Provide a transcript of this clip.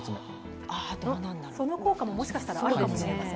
その効果ももしかしたらあるかもしれません。